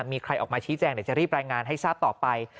มีใครออกมาชี้แจงเดี๋ยวจะรีบรายงานให้ทราบต่อไป